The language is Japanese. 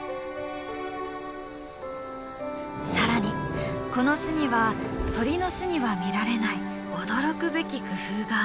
更にこの巣には鳥の巣には見られない驚くべき工夫があった。